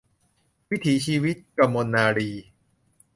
วิถีชีวิต - กมลนารีย์